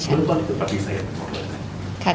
เบื้องต้นคือปฏิเสธ